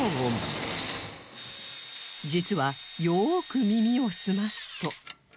実はよく耳を澄ますと